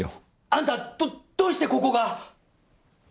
あんたどどうしてここが！